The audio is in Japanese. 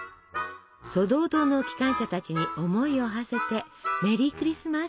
ソドー島の機関車たちに思いをはせてメリー・クリスマス！